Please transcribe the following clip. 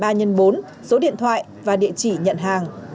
các công dân kèm ảnh ba x bốn số điện thoại và địa chỉ nhận hàng